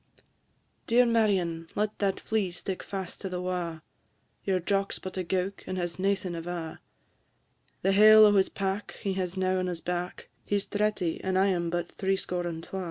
"Dear Marion, let that flee stick fast to the wa'; Your Jock 's but a gowk, and has naething ava; The hale o' his pack he has now on his back He 's thretty, and I am but threescore and twa.